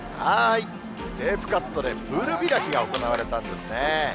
テープカットでプール開きが行われたんですね。